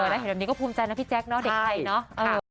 ได้เห็นแบบนี้ก็ภูมิใจนะพี่แจ๊คเนอะเด็กไทยเนอะ